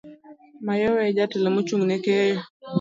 Mayowe e jatelo mochung' ne keyo.